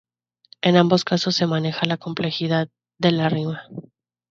En ambos casos se maneja la complejidad en la rima.